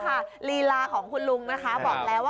ขายมาตั้งสี่สิบกว่าปีแล้ว